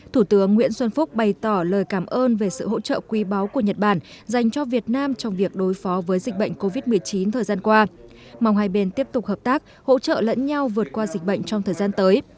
thủ tướng nguyễn xuân phúc bày tỏ lời cảm ơn về sự hỗ trợ quý báu của nhật bản dành cho việt nam trong việc đối phó với dịch bệnh covid một mươi chín thời gian qua mong hai bên tiếp tục hợp tác hỗ trợ lẫn nhau vượt qua dịch bệnh trong thời gian tới